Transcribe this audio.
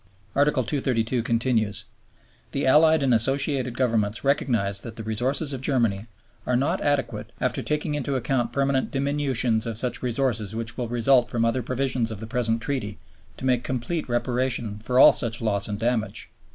Article 232 continues: "The Allied and Associated Governments recognize that the resources of Germany are not adequate, after taking into account permanent diminutions of such resources which will result from other provisions of the present Treaty, to make complete reparation for all such loss and damage."